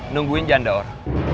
nungguin jangan daur